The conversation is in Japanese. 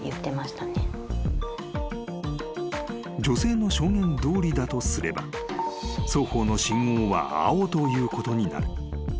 ［女性の証言どおりだとすれば双方の信号は青ということになる］